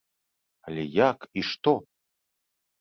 Але як і што?